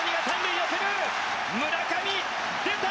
村上、出た！